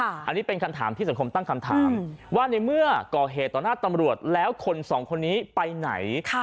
อันนี้เป็นคำถามที่สังคมตั้งคำถามว่าในเมื่อก่อเหตุต่อหน้าตำรวจแล้วคนสองคนนี้ไปไหน